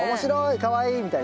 かわいい！みたいな。